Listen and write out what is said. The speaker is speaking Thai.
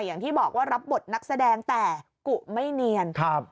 อย่างที่บอกว่ารับบทนักแสดงแต่กุไม่เนียนครับ